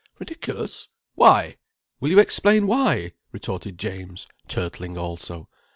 "Ridiculous! Why? Will you explain why!" retorted James, turtling also.